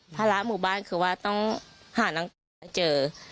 ภาระหมู่บ้านคือว่าต้องหานางตาให้เจอ